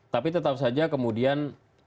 tapi tetap saja kemudian